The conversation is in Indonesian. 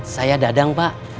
saya dadang pak